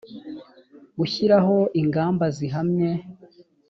gushyiraho ingamba zihamye